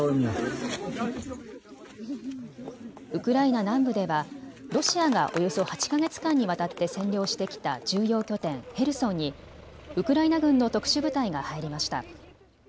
ウクライナ南部ではロシアがおよそ８か月間にわたって占領してきた重要拠点、ヘルソンにウクライナ軍の特殊部隊が入りました。